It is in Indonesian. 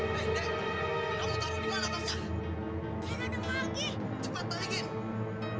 hei dek kamu taruh dimana pesah